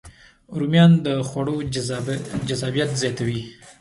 رومیان د خوړو جذابیت زیاتوي